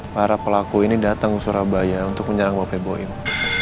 para pelaku ini datang ke surabaya untuk menyerang bapaknya ibu ibu